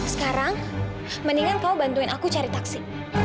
sekarang mendingan kau bantuin aku cari taksi